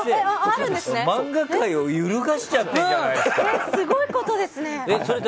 漫画界を先生が揺るがしちゃってるじゃないですか！